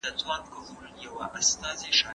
هغه وايي چي دغه ښار ډېر اباد و.